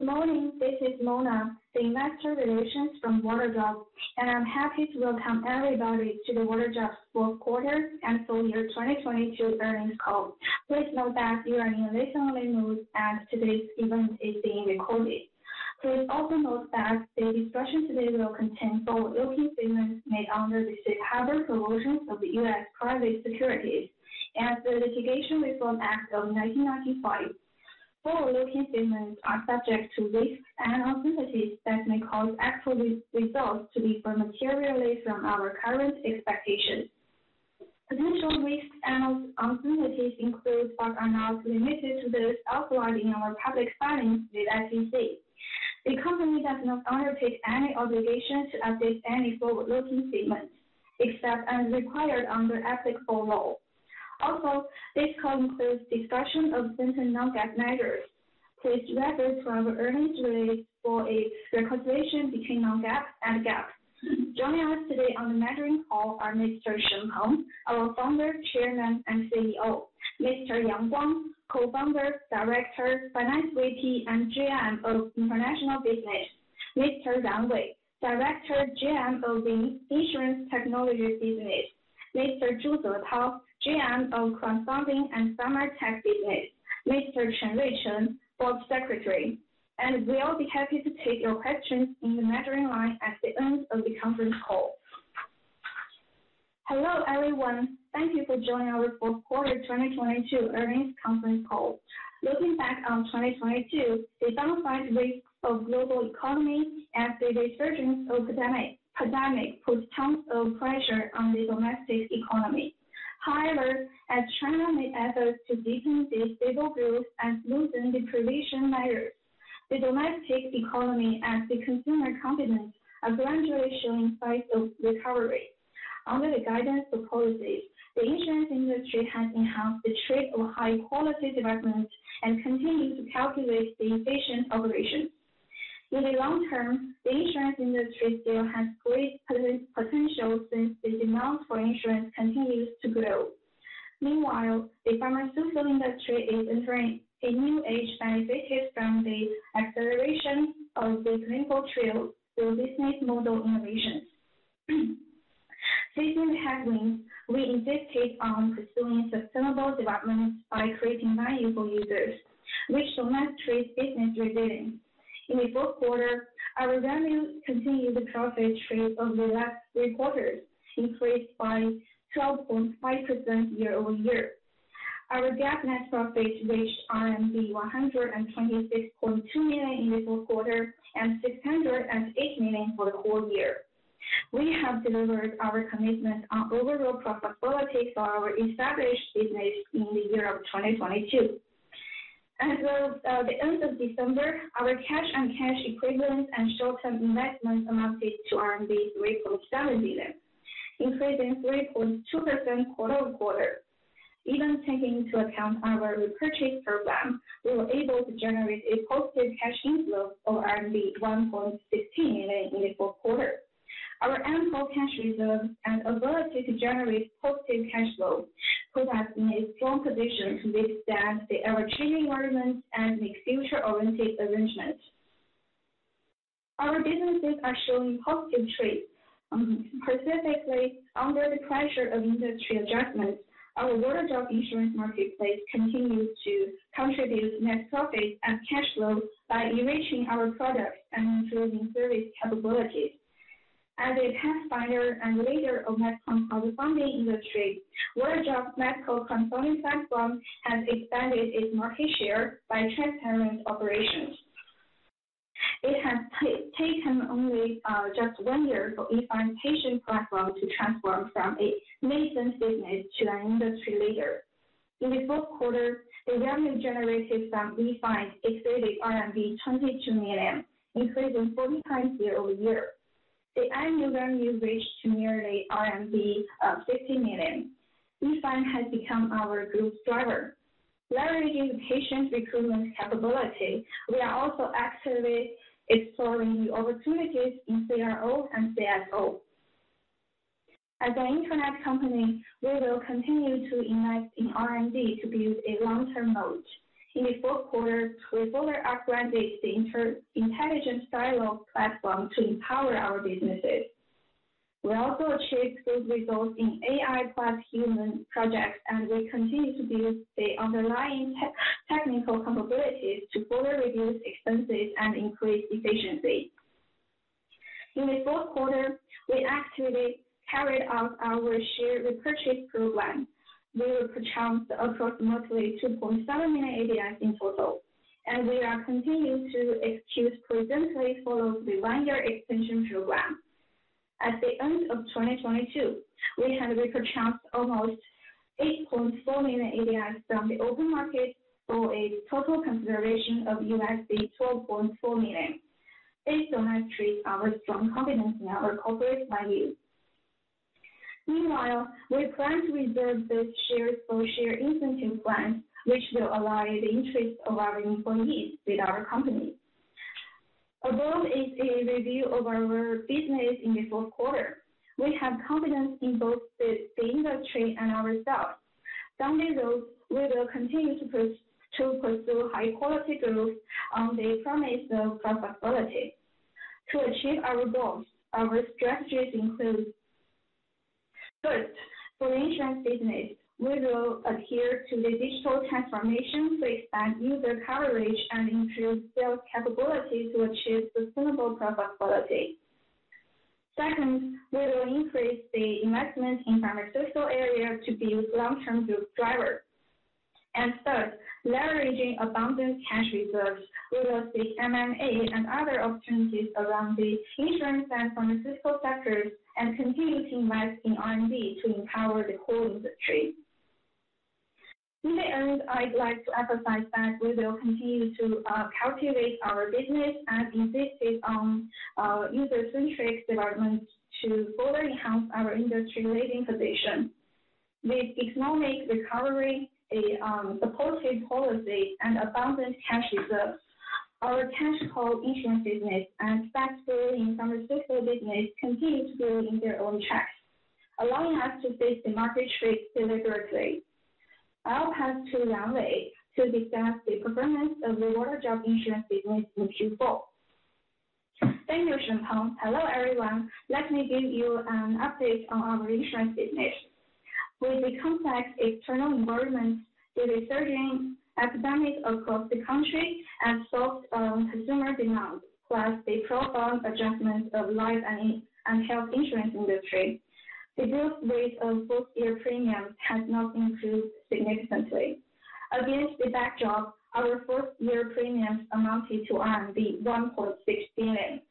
Good morning. This is Mona, the Investor Relations from Waterdrop. I'm happy to welcome everybody to the Waterdrop 4th quarter and full year 2022 earnings call. Please note that you are in listen-only mode, as today's event is being recorded. Please also note that the discussion today will contain forward-looking statements made under the safe harbor provisions of the U.S. Private Securities Litigation Reform Act of 1995. Forward-looking statements are subject to risks and uncertainties that may cause actual results to differ materially from our current expectations. Potential risks and uncertainties include, but are not limited to, those outlined in our public filings with SEC. The company does not undertake any obligation to update any forward-looking statements, except as required under applicable law. This call includes discussion of certain non-GAAP measures. Please refer to our earnings release for a reconciliation between non-GAAP and GAAP. Joining us today on the earnings call are Mr. Shen Peng, our Founder, Chairman, and CEO. Mr. Yang Guang, Co-founder, Director, Finance VP, and GM of International Business. Mr. Ran Wei, Director, GM of the Insurance Technology Business. Mr. Zhu Zetao, GM of Crowdfunding and Pharma Tech Business. Mr. Chen Richard, Board Secretary. We'll be happy to take your questions in the question line at the end of the conference call. Hello, everyone. Thank you for joining our fourth quarter 2022 earnings conference call. Looking back on 2022, the downside risk of global economy and the resurgence of pandemic put tons of pressure on the domestic economy. However, as China made efforts to deepen the stable growth and loosen the provision measures, the domestic economy and the consumer confidence are gradually showing signs of recovery. Under the guidance of policies, the insurance industry has enhanced the trait of high quality development and continues to calculate the efficient operation. In the long term, the insurance industry still has great potential, since the demand for insurance continues to grow. Meanwhile, the pharmaceutical industry is entering a new age benefited from the acceleration of the clinical trial through business model innovations. Facing the headwinds, we insisted on pursuing sustainable development by creating value for users, which demonstrates business resilience. In the fourth quarter, our revenue continued the profit trend of the last three quarters, increased by 12.5% year-over-year. Our GAAP net profit reached RMB 126.2 million in the fourth quarter and 608 million for the whole year. We have delivered our commitment on overall profitability for our established business in the year of 2022. As of the end of December, our cash and cash equivalents and short-term investments amounted to 3.7 billion, increasing 3.2% quarter-over-quarter. Even taking into account our repurchase program, we were able to generate a positive cash inflow of 1.15 million in the fourth quarter. Our ample cash reserves and ability to generate positive cash flow put us in a strong position to withstand the ever-changing environment and make future-oriented arrangements. Our businesses are showing positive traits. Specifically, under the pressure of industry adjustments, our Waterdrop insurance marketplace continues to contribute net profit and cash flow by enriching our products and improving service capabilities. As a pathfinder and leader of med tech crowdfunding industry, Waterdrop medical crowdfunding platform has expanded its market share by transparent operations. It has taken only, just one year for E-Find patient platform to transform from a nascent business to an industry leader. In the fourth quarter, the revenue generated from E-Find exceeded RMB 22 million, increasing 40 times year-over-year. The annual revenue reached to nearly 50 million RMB. E-Find has become our group driver. Leveraging the patient recruitment capability, we are also actively exploring the opportunities in CRO and CSO. As an internet company, we will continue to invest in R&D to build a long-term moat. In the fourth quarter, we further upgraded the intelligent dialogue platform to empower our businesses. We also achieved good results in AI-plus-human projects, and we continue to build the underlying technical capabilities to further reduce expenses and increase efficiency. In the fourth quarter, we actively carried out our share repurchase program. We repurchased approximately 2.7 million ADSs in total. We are continuing to execute presently for the one-year extension program. At the end of 2022, we had repurchased almost 8.4 million ADSs from the open market for a total consideration of $12.4 million. This demonstrates our strong confidence in our corporate value. Meanwhile, we plan to reserve this share for share incentive plan, which will align the interests of our employees with our company. Above is a review of our business in the fourth quarter. We have confidence in both the industry and our results. Going forward, we will continue to pursue high quality growth on the promise of profitability. To achieve our goals, our strategies include: First, for the insurance business, we will adhere to the digital transformation to expand user coverage and improve sales capabilities to achieve sustainable profit quality. Second, we will increase the investment in pharmaceutical area to be with long-term growth driver. Third, leveraging abundant cash reserves, we will seek M&A and other opportunities around the insurance and pharmaceutical sectors and continue to invest in R&D to empower the core industry. In the end, I'd like to emphasize that we will continue to cultivate our business and insist it on user-centric developments to further enhance our industry-leading position. With economic recovery, a supportive policy and abundant cash reserves, our technical insurance business and fast growth in pharmaceutical business continue to grow in their own tracks, allowing us to face the market shifts deliberately. I'll pass to Ran Wei to discuss the performance of the Waterdrop insurance business in Q4. Thank you, Shen Peng. Hello, everyone. Let me give you an update on our insurance business. With the complex external environment, with a surging epidemic across the country and soft consumer demand, plus the profound adjustments of life and health insurance industry, the growth rate of book year premiums has not improved significantly. Against the backdrop, our first year premiums amounted to RMB 1.6 billion.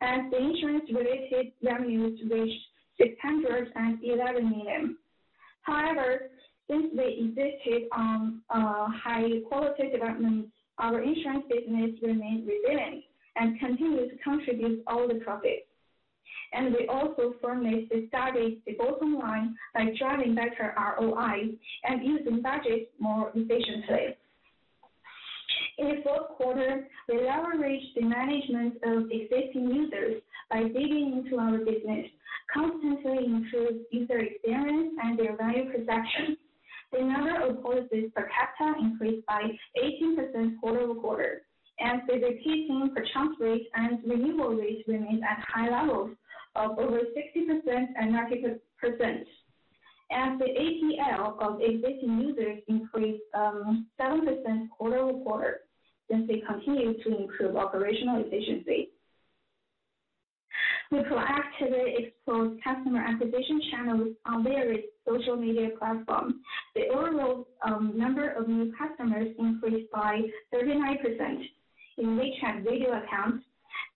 The insurance-related revenues reached 611 million. However, since they insisted on high-quality developments, our insurance business remained resilient and continued to contribute all the profits. We also firmly established the bottom line by driving better ROI and using budgets more efficiently. In the fourth quarter, we leveraged the management of existing users by digging into our business, constantly improve user experience and their value perception. The number of policies per capita increased by 18% quarter-over-quarter, and the repeating purchase rate and renewal rate remained at high levels of over 60% and 90%. The ATL of existing users increased 7% quarter-over-quarter since they continued to improve operational efficiency. We proactively explored customer acquisition channels on various social media platforms. The overall number of new customers increased by 39%. In WeChat video accounts,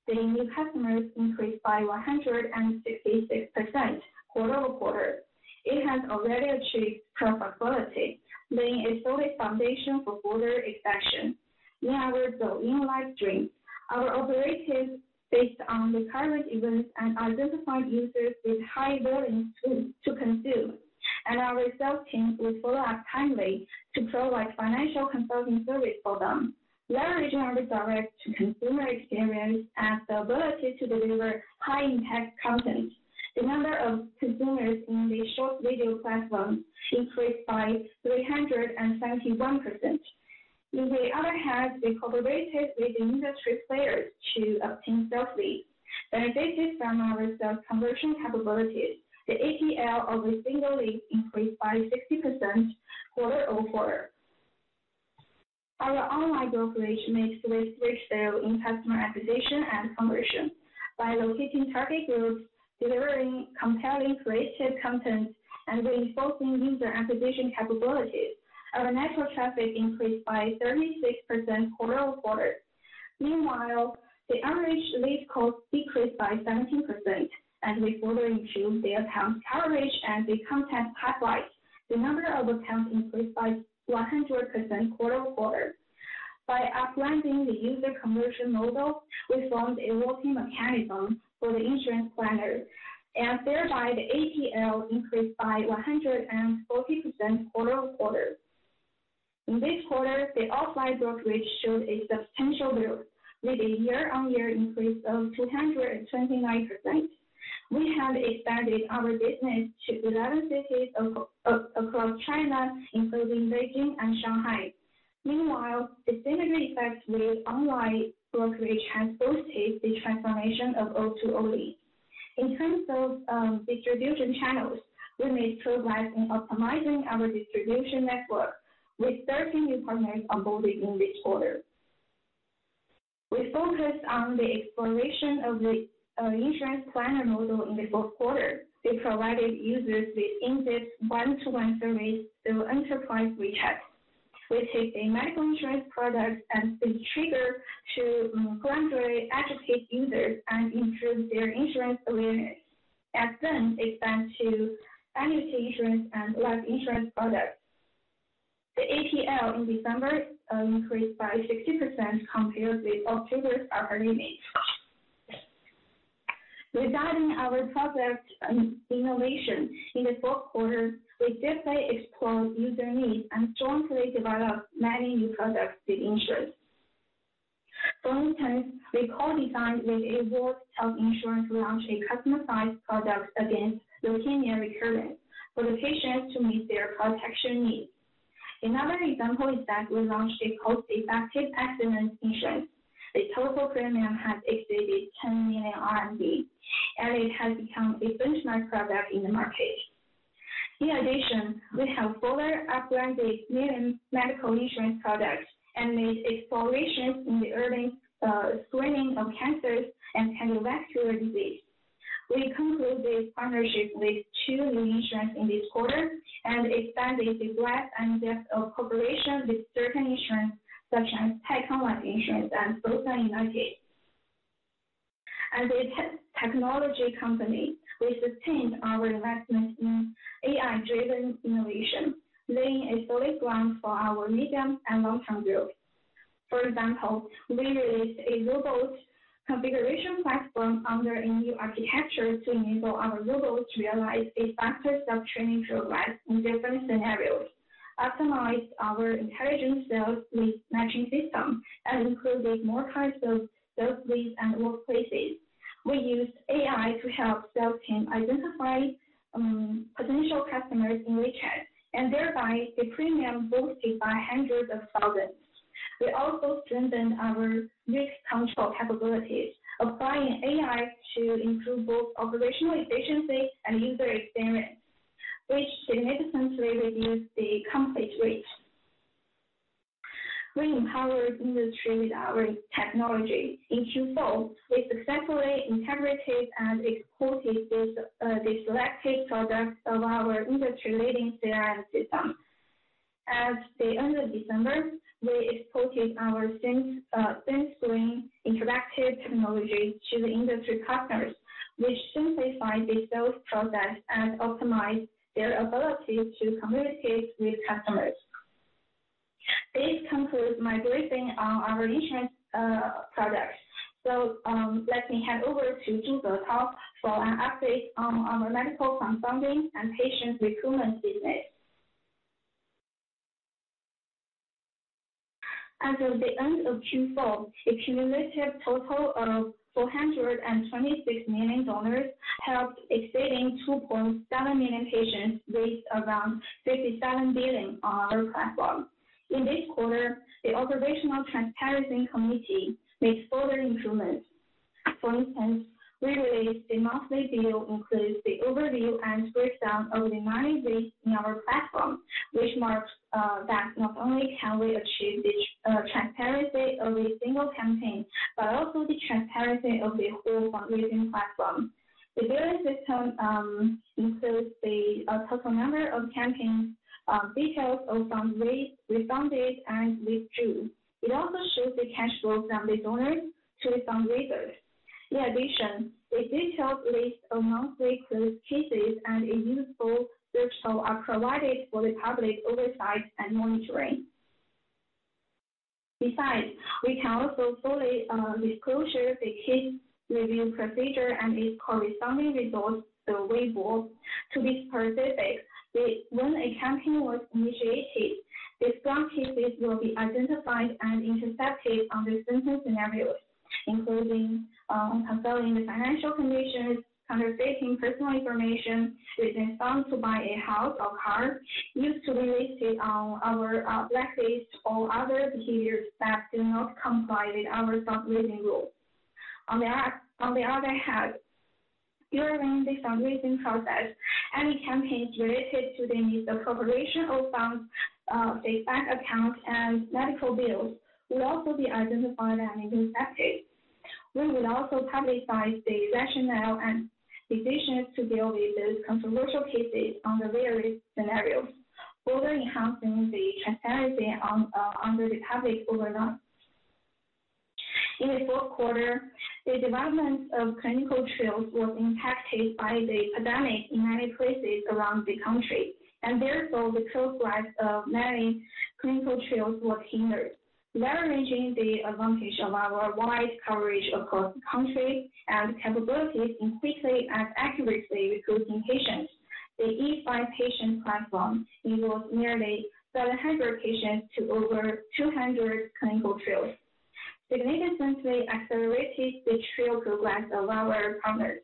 the new customers increased by 166% quarter-over-quarter. It has already achieved profitability, laying a solid foundation for further expansion. In our built-in live stream, our operators based on the current events and identified users with high willing to consume. Our sales team will follow up timely to provide financial consulting service for them. Leveraging our direct to consumer experience and the ability to deliver high impact content, the number of consumers in the short video platform increased by 371%. In the other hand, we collaborated with industry players to obtain sales leads. Benefiting from our sales conversion capabilities, the ATL of a single lead increased by 60% quarter-over-quarter. Our online brokerage makes great sale in customer acquisition and conversion. By locating target groups, delivering compelling creative content, and reinforcing user acquisition capabilities, our natural traffic increased by 36% quarter-over-quarter. Meanwhile, the average lead cost decreased by 17%, and we further improved the account coverage and the content pipeline. The number of accounts increased by 100% quarter-over-quarter. By uploading the user conversion model, we formed a working mechanism for the insurance planner, and thereby the ATL increased by 140% quarter-over-quarter. In this quarter, the offline brokerage showed a substantial growth with a year-on-year increase of 229%. We have expanded our business to 11 cities across China, including Beijing and Shanghai. Meanwhile, the synergy effects with online brokerage has boosted the transformation of O2OE. In terms of distribution channels, we made progress in optimizing our distribution network with 13 new partners on board in this quarter. We focused on the exploration of the insurance planner model in the fourth quarter. They provided users with in-depth one-to-one service through enterprise WeChat. We take a medical insurance product as the trigger to gradually educate users and improve their insurance awareness. Then expand to annuity insurance and life insurance products. The ATL in December increased by 60% compared with October of our year mix. Regarding our product and innovation in the fourth quarter, we deeply explore user needs and strongly develop many new products with insurance. For instance, we co-designed with a world health insurance to launch a customized product against leukemia recurrence for the patients to meet their protection needs. Another example is that we launched a post-effective accident insurance. The total premium has exceeded 10 million RMB. It has become a benchmark product in the market. We have further upgraded million medical insurance products and made explorations in the early screening of cancers and cardiovascular disease. We concluded partnerships with two new insurance in this quarter and expanded the breadth and depth of cooperation with certain insurance such as Taikang Life Insurance and Ping An United. As a tech technology company, we sustained our investments in AI-driven innovation, laying a solid ground for our medium and long-term growth. For example, we released a robot configuration platform under a new architecture to enable our robots to realize a faster self-training progress in different scenarios, optimize our intelligent sales lead matching system, and included more kinds of sales leads and workplaces. We used AI to help sales team identify potential customers in WeChat, and thereby the premium boosted by hundreds of thousands. We also strengthened our risk control capabilities, applying AI to improve both operational efficiency and user experience, which significantly reduced the complete rate. We empowered industry with our technology. In Q4, we successfully integrated and exported the selected products of our industry-leading CRM system. At the end of December, we exported our thin screen interactive technology to the industry partners, which simplified the sales process and optimized their ability to communicate with customers. This concludes my briefing on our insurance products. Let me hand over to Zhu Zetao for an update on our medical crowdfunding and patient recruitment business. As of the end of Q4, a cumulative total of 426 million donors helped exceeding 2.7 million patients raised around 57 billion on our platform. In this quarter, the operational transparency committee made further improvements. For instance, we released a monthly bill includes the overview and breakdown of the money raised in our platform, which marks that not only can we achieve the transparency of a single campaign, but also the transparency of the whole fundraising platform. The billing system includes the total number of campaigns, details of raised funded and withdrew. It also shows the cash flow from the donors to the fundraisers. In addition, a detailed list of monthly closed cases and a useful search tool are provided for the public oversight and monitoring. Besides, we can also fully disclosure the case review procedure and its corresponding results through Weibo. To be specific, when a campaign was initiated, the strong cases will be identified and intercepted under certain scenarios, including concealing the financial conditions, counterfeiting personal information, using funds to buy a house or car, used to be listed on our blacklist or other behaviors that do not comply with our fundraising rules. On the other hand, during the fundraising process, any campaigns related to the need of appropriation of funds, the bank account and medical bills will also be identified and intercepted. We will also publicize the rationale and decisions to deal with those controversial cases on the various scenarios, further enhancing the transparency under the public overall. In the fourth quarter, the development of clinical trials was impacted by the pandemic in many places around the country, and therefore, the progress of many clinical trials were hindered. Leveraging the advantage of our wide coverage across the country and capabilities in quickly and accurately recruiting patients. The E-Find patient platform enrolled nearly 700 patients to over 200 clinical trials, significantly accelerating the trial progress of our partners.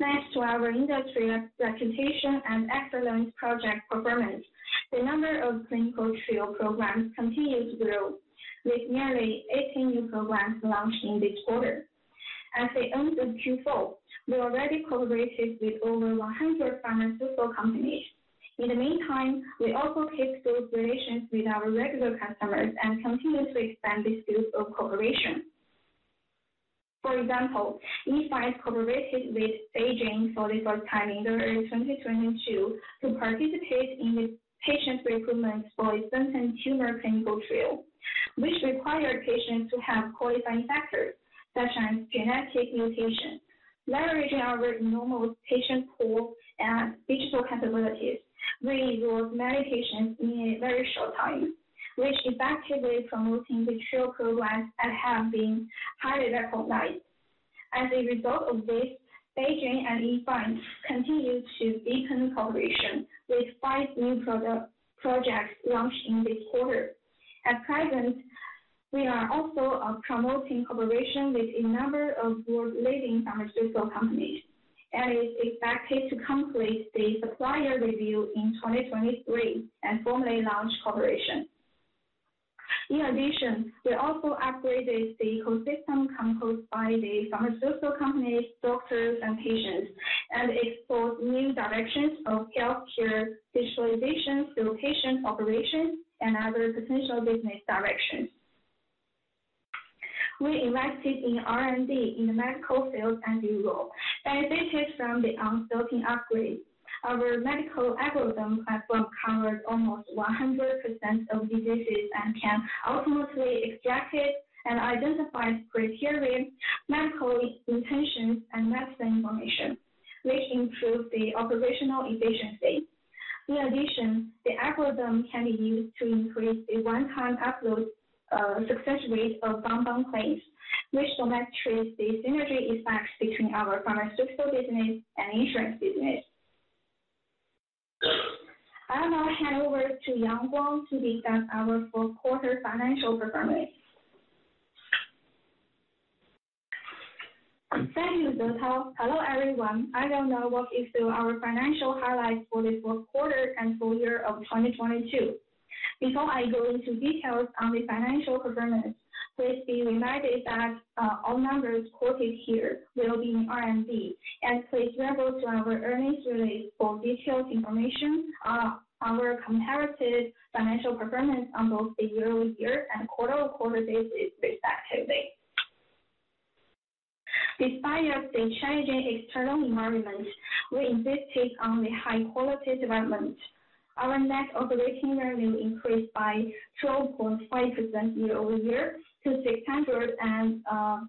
Thanks to our industry reputation and excellent project performance, the number of clinical trial programs continues to grow, with nearly 18 new programs launched in this quarter. At the end of Q4, we already collaborated with over 100 pharmaceutical companies. In the meantime, we also kept good relations with our regular customers and continuously expand this group of cooperation. For example, Yiyi collaborated with Celgene for the first time in early 2022 to participate in the patient recruitment for a certain tumor clinical trial, which require patients to have qualifying factors such as genetic mutations. Leveraging our normal patient pool and digital capabilities, we enrolled many patients in a very short time, which effectively promoting the trial programs that have been highly recognized. As a result of this, Beijing and Leadfine continue to deepen cooperation with five new product projects launched in this quarter. At present, we are also promoting cooperation with a number of world-leading pharmaceutical companies, and is expected to complete the supplier review in 2023 and formally launch cooperation. In addition, we also upgraded the ecosystem composed by the pharmaceutical companies, doctors, and patients, and explored new directions of healthcare visualization, dislocation operations, and other potential business directions. We invested in R&D in the medical field and the role benefited from the ongoing upgrade. Our medical algorithm platform covers almost 100% of diseases and can ultimately extract it and identify criteria, medical intentions, and medicine information, which improves the operational efficiency. In addition, the algorithm can be used to increase the one-time upload success rate of Dangdang claims, which demonstrates the synergy effects between our pharmaceutical business and insurance business. I'll now hand over to Yang Guang to discuss our full quarter financial performance. Thank you, Zetao. Hello, everyone. I will now walk you through our financial highlights for this full quarter and full year of 2022. Before I go into details on the financial performance, please be reminded that all numbers quoted here will be in RMB. Please refer to our earnings release for detailed information on our comparative financial performance on both the year-over-year and quarter-over-quarter basis respectively. Despite of the challenging external environment, we invested on the high-quality development. Our net operating revenue increased by 12.5% year-over-year to 639.5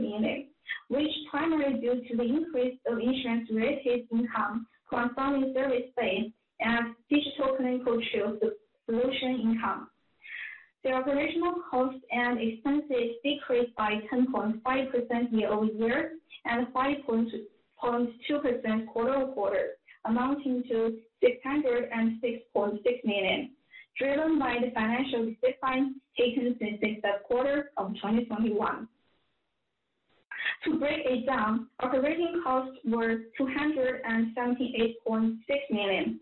million, which primarily due to the increase of insurance-related income, consulting service fees, and digital clinical trial so-solution income. The operational costs and expenses decreased by 10.5% year-over-year and 5.2% quarter-over-quarter, amounting to 606.6 million, driven by the financial discipline taken since the third quarter of 2021. To break it down, operating costs were 278.6 million,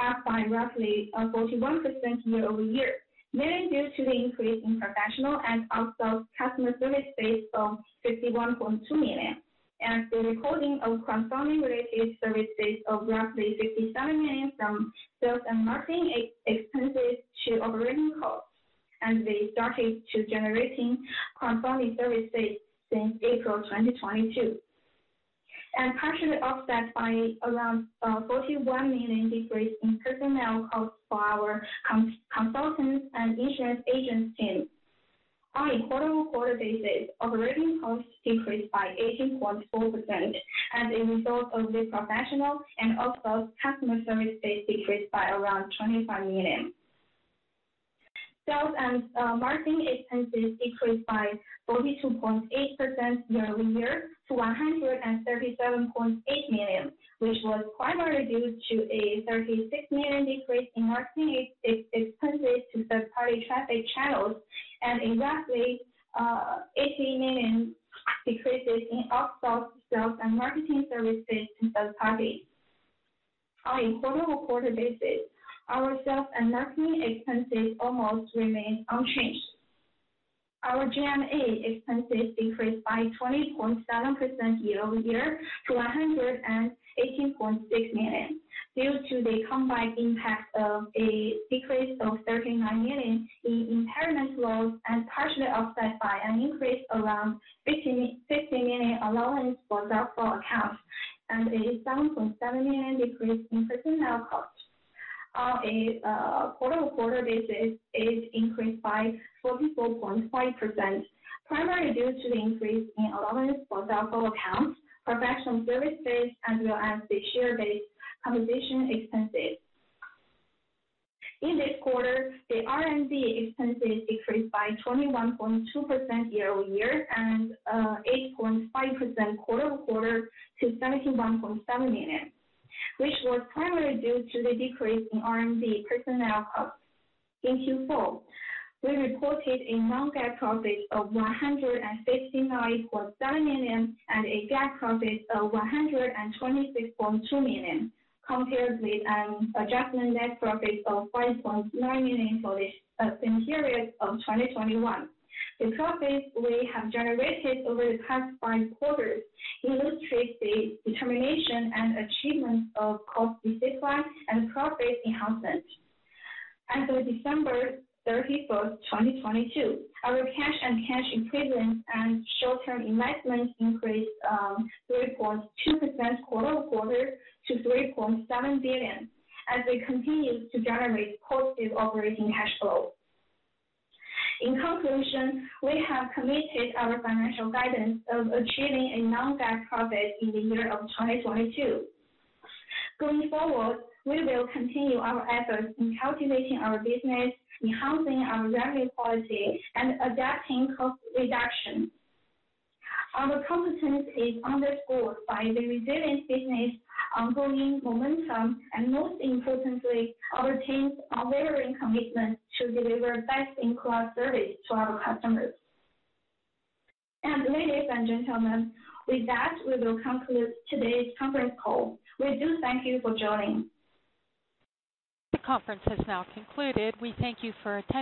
up by roughly 41% year-over-year. Mainly due to the increase in professional and outsource customer service base of 51.2 million, and the recording of consulting-related services of roughly 67 million from sales and marketing expenses to operating costs. They started to generating consulting service fees since April 2022. Partially offset by around 41 million decrease in personnel costs for our consultants and insurance agent team. On a quarter-over-quarter basis, operating costs decreased by 18.4% as a result of the professional and outsource customer service base decreased by around 25 million. Sales and marketing expenses decreased by 42.8% year-over-year to 137.8 million, which was primarily due to a 36 million decrease in marketing expenses to third-party traffic channels, and exactly 18 million decreases in outsource sales and marketing services to third parties. On a quarter-over-quarter basis, our sales and marketing expenses almost remained unchanged. Our G&A expenses decreased by 20.7% year-over-year to 118.6 million, due to the combined impact of a decrease of 39 million in impairment loss, and partially offset by an increase around 50 million allowance for doubtful accounts, and a 7.7 million decrease in personnel costs. On a quarter-over-quarter basis, it increased by 44.5%, primarily due to the increase in allowance for doubtful accounts, professional service fees, as well as the share-based compensation expenses. In this quarter, the R&D expenses decreased by 21.2% year-over-year and 8.5% quarter-over-quarter to 71.7 million. Which was primarily due to the decrease in R&D personnel costs. In Q4, we reported a non-GAAP profit of 159.7 million and a GAAP profit of 126.2 million, compared with an adjustment net profit of 5.9 million for this same period of 2021. The profits we have generated over the past five quarters illustrate the determination and achievement of cost discipline and profit enhancement. As of December 31, 2022, our cash and cash equivalents and short-term investments increased 3.2% quarter-over-quarter to 3.7 billion, as we continue to generate positive operating cash flow. In conclusion, we have committed our financial guidance of achieving a non-GAAP profit in the year of 2022. Going forward, we will continue our efforts in cultivating our business, enhancing our revenue policy, and adapting cost reduction. Our confidence is underscored by the resilient business, ongoing momentum, and most importantly, our team's unwavering commitment to deliver best-in-class service to our customers. Ladies and gentlemen, with that, we will conclude today's conference call. We do thank you for joining. The conference has now concluded. We thank you for attending.